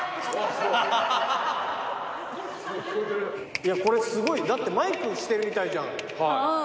いやこれすごいだってマイクしてるみたいじゃん。